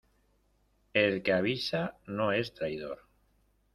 El que avisa no es traidor.